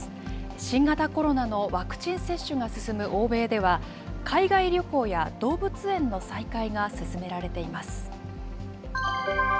新型コロナのワクチン接種が進む欧米では、海外旅行や動物園の再開が進められています。